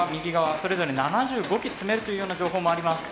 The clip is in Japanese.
それぞれ７５機積めるというような情報もあります。